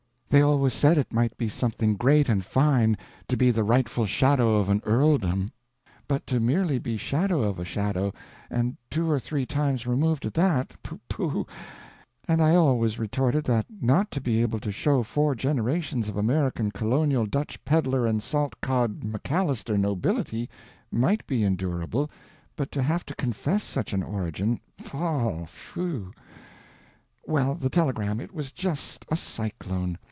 They always said it might be something great and fine to be the rightful Shadow of an earldom, but to merely be shadow of a shadow, and two or three times removed at that—pooh pooh! And I always retorted that not to be able to show four generations of American Colonial Dutch Peddler and Salt Cod McAllister Nobility might be endurable, but to have to confess such an origin—pfew few! Well, the telegram, it was just a cyclone!